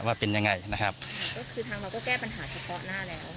ว่าเป็นยังไงนะครับก็คือทางเราก็แก้ปัญหาเฉพาะหน้าแล้ว